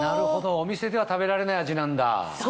お店では食べられない味なんだ。